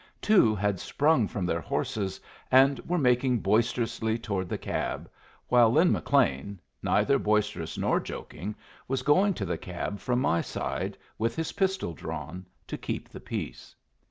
Two had sprung from their horses and were making boisterously toward the cab, while Lin McLean, neither boisterous nor joking, was going to the cab from my side, with his pistol drawn, to keep the peace.